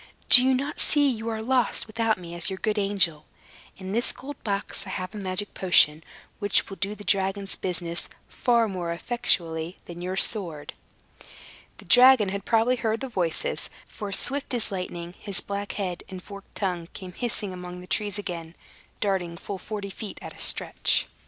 "Do not you see you are lost, without me as your good angel? In this gold box I have a magic potion, which will do the dragon's business far more effectually than your sword." The dragon had probably heard the voices; for swift as lightning, his black head and forked tongue came hissing among the trees again, darting full forty feet at a stretch.